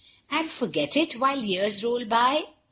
"And forget it while years roll by.